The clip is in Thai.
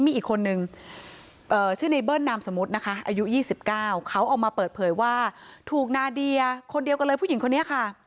มีอีกคนนึงชื่อในเบิ้ลนามสมมุตินะคะอายุ๒๙เขาออกมาเปิดเผยว่าถูกนาเดียคนเดียวกันเลยผู้หญิงคนนี้ค่ะ